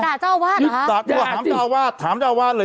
ด่าเจ้าอาวาสเหรอฮะด่าเจ้าอาวาสถามเจ้าอาวาสถามเจ้าอาวาสเลย